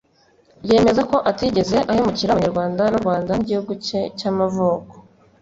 yemeza ko atigeze ahemukira Abanyarwanda n’u Rwanda nk’igihugu cye cy’amavuko